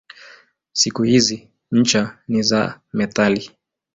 Siku hizi ncha ni za metali.